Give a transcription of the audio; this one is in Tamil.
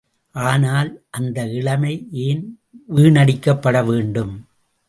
ஆனால், அந்த இளமை ஏன் வீணடிக்கப்பட வேண்டும்?